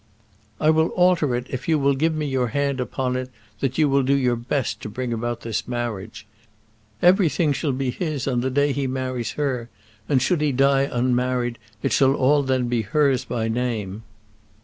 "I will alter it all if you will give me your hand upon it that you will do your best to bring about this marriage. Everything shall be his on the day he marries her; and should he die unmarried, it shall all then be hers by name.